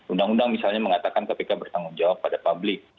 undang undang misalnya mengatakan kpk bertanggung jawab pada publik